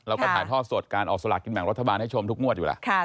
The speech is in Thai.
เราก็ถ่ายทอดสดการออกสลากินแบ่งรัฐบาลให้ชมทุกงวดอยู่แล้ว